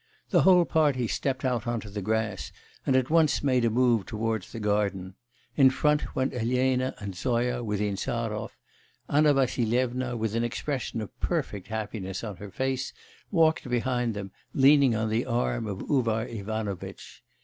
The whole party stepped out on to the grass, and at once made a move towards the garden. In front went Elena and Zoya with Insarov; Anna Vassilyevna, with an expression of perfect happiness on her face, walked behind them, leaning on the arm of Uvar Ivanovitch.